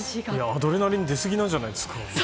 アドレナリン出すぎなんじゃないですか。